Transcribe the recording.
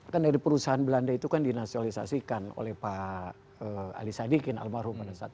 kan dari perusahaan belanda itu kan dinasionalisasikan oleh pak ali sadikin almarhum